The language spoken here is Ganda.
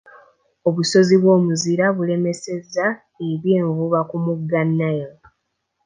Obusozi bw'omuzira bulemesezza eby'envuba ku mugga Nile.